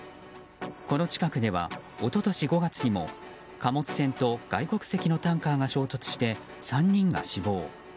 この近くでは、一昨年５月にも貨物船と外国籍のタンカーが衝突して、３人が死亡。